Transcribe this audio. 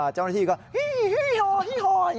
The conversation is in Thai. เจ้าหน้าที่ก็หี่ฮอ